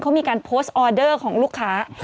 เขามีการโพสต์ออเดอร์ของลูกค้า